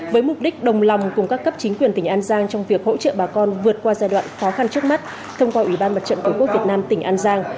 với mục đích đồng lòng cùng các cấp chính quyền tỉnh an giang trong việc hỗ trợ bà con vượt qua giai đoạn khó khăn trước mắt thông qua ủy ban mặt trận tổ quốc việt nam tỉnh an giang